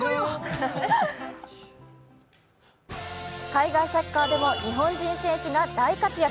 海外サッカーでも日本人選手が大活躍。